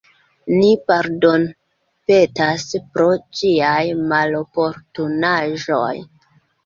Ni pardonpetas pro ĉiaj maloportunaĵoj.